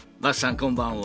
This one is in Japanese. こんばんは。